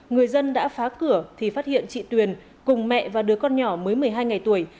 người dân đã phá cửa thì phát hiện chị tuyền cùng mẹ và đứa con nhỏ mới một mươi hai ngày tuổi